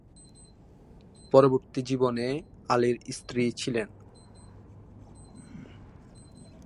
পরবর্তী জীবনে আলীর স্ত্রী ছিলেন।